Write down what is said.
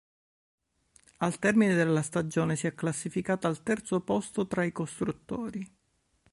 Al termine della stagione si è classificata al terzo posto tra i costruttori.